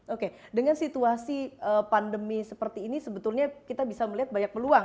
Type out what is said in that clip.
oke dengan situasi pandemi seperti ini sebetulnya kita bisa melihat banyak peluang